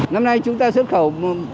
năm nay chúng ta xuất khẩu